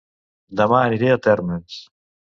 Dema aniré a Térmens